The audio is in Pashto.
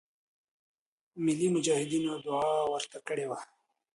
ملی مجاهدینو دعا ورته کړې وه.